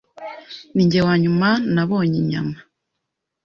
Ninjye wanyuma nabonye inyama